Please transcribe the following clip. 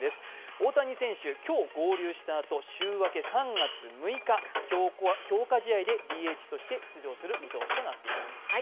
大谷選手、今日、合流したあと週明け３月６日、強化試合でＤＨとして出場する見込みとなっています。